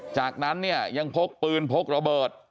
จากนั้นเนี่ยยังพกปืนพกระเบิด